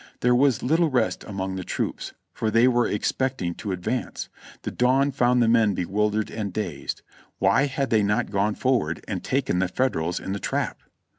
There was little rest among the troops, for they were expecting to advance; the dawn found the men bewildered and dazed ; why had they not gone forward and taken the Federals in the trap.